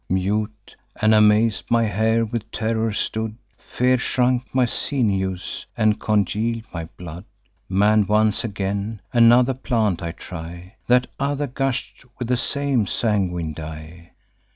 Mute and amaz'd, my hair with terror stood; Fear shrunk my sinews, and congeal'd my blood. Mann'd once again, another plant I try: That other gush'd with the same sanguine dye.